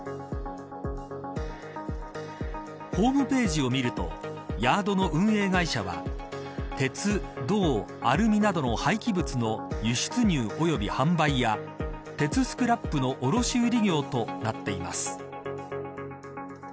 ホームページを見るとヤードの運営会社は鉄、銅、アルミなどの廃棄物の輸出入、および販売や鉄スクラップの卸し売り業となっています。